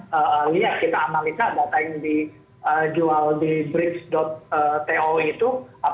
kalau sudah sampai satu titik tidak disangkal baru nanti apa yang di jognya lagi gitu